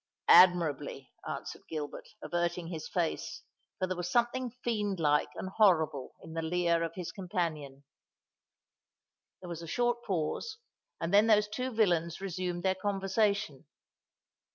"Admirably," answered Gilbert, averting his face—for there was something fiend like and horrible in the leer of his companion. There was a short pause; and then those two villains resumed their conversation.